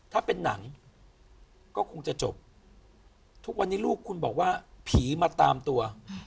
ถ้าเป็นหนังก็คงจะจบทุกวันนี้ลูกคุณบอกว่าผีมาตามตัว